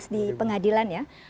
di pengadilan ya